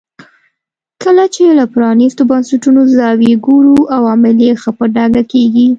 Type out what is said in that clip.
کله چې له پرانیستو بنسټونو زاویې ګورو عوامل یې ښه په ډاګه کېږي.